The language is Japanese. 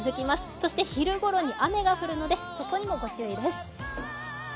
そして昼ごろに雨が降るのでここにもご注意です。